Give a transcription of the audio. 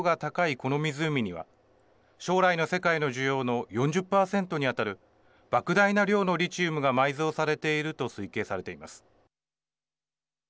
この湖には将来の世界の需要の４０％に当たるばく大な量のリチウムが埋蔵されていると推計されています。